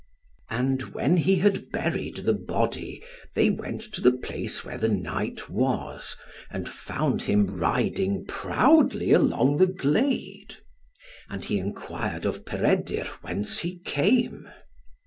And when he had buried the body, they went to the place where the knight was, and found him riding proudly along the glade; and he enquired of Peredur whence he came.